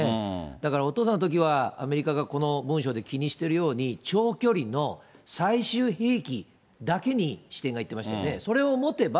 だからお父さんのときは、アメリカがこの文書で気にしてるように、長距離の最終兵器だけに視点がいっていましたよね、それを持てば、